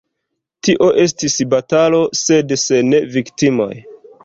Tio estis batalo, sed sen viktimoj.